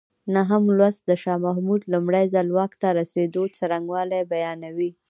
نهم لوست د شاه محمود لومړی ځل واک ته رسېدو څرنګوالی بیانوي.